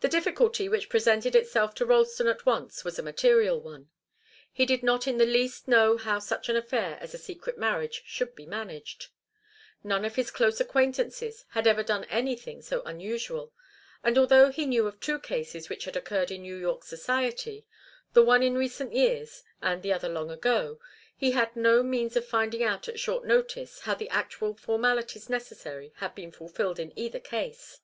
The difficulty which presented itself to Ralston at once was a material one. He did not in the least know how such an affair as a secret marriage should be managed. None of his close acquaintances had ever done anything so unusual, and although he knew of two cases which had occurred in New York society, the one in recent years and the other long ago, he had no means of finding out at short notice how the actual formalities necessary had been fulfilled in either case.